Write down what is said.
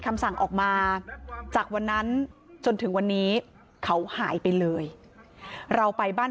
คำสั่งออกมาจากวันนั้นจนถึงวันนี้เขาหายไปเลยเราไปบ้าน